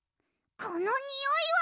このにおいは！